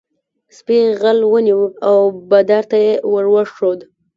سپي غل ونیو او بادار ته یې ور وښود.